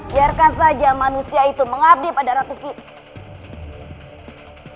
biarkan saja manusia itu mengabdi pada ratu kita